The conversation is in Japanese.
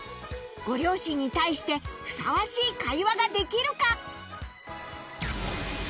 ご両親に対してふさわしい会話ができるか